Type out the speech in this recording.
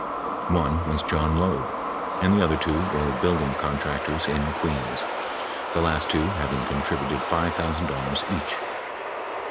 One was John Loeb, and the other two were building contractors in Queens, the last two having contributed $5,000 each.